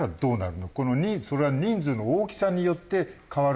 それは人数の大きさによって変わるの？